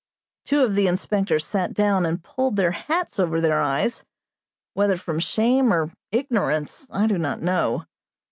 Two of the inspectors sat down and pulled their hats over their eyes, whether from shame or ignorance I do not know.